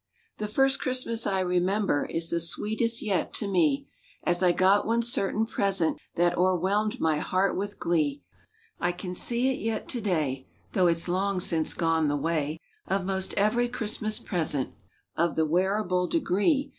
The first Christmas I remember Is the sweetest yet, to me. As I got one certain present That o'erwhelmed my heart with glee: I can see it yet today, Though it's long since gone the way Of most every Christmas present Of the wearable degree.